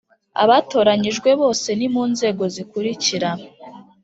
Abatoranyijwe bose ni mu nzego zikurikira